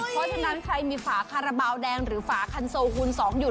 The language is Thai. เพราะฉะนั้นใครมีฝาคาราบาลแดงหรือฝาคันโซคูณ๒อยู่